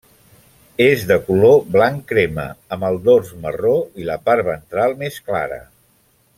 És de color blanc crema amb el dors marró i la part ventral més clara.